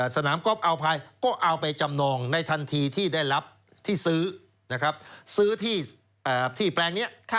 สนามกอล์อัลพายก็เอาไปจำนองในทันทีที่ได้รับที่ซื้อนะครับซื้อที่แปลงนี้